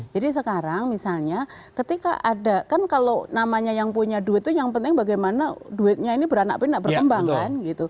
jadi sekarang misalnya ketika ada kan kalau namanya yang punya duit itu yang penting bagaimana duitnya ini beranak beranak berkembang kan gitu